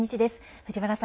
藤原さん